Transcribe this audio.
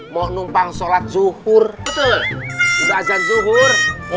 mau numpang sholat zuhur betul udah azan zuhur